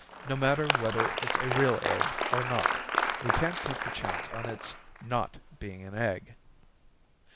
No matter whether it's a real egg or not we can't take the chance on it's not being an egg!"